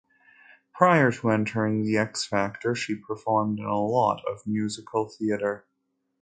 Prior to entering "The X Factor", she performed in a lot of musical theatre.